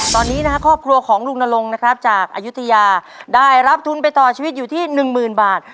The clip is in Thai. ตอนนี้นะครับครอบครัวของลุงนรงค์นะครับจากอายุทยาได้รับทุนไปต่อชีวิตอยู่ที่หนึ่งหมื่นบาท